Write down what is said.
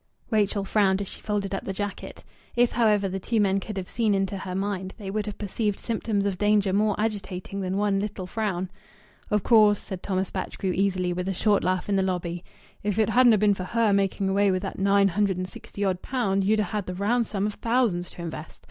Rachel frowned as she folded up the jacket. If, however, the two men could have seen into her mind they would have perceived symptoms of danger more agitating than one little frown. "Of course," said Thomas Batchgrew easily, with a short laugh, in the lobby, "if it hadna been for her making away with that nine hundred and sixty odd pound, you'd ha' had a round sum o' thousands to invest.